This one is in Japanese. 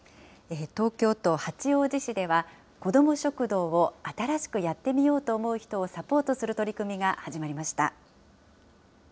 東京都八王子市では、こども食堂を新しくやってみようと思う人をサポートする取り組みが始まりました。